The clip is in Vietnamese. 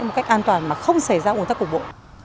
một cách an toàn mà không xảy ra ủn tắc cục bộ